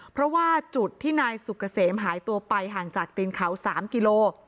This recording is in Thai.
เพราะว่าจุดที่นายสุกเกษมหายตัวไปห่างจากตีนเขา๓กิโล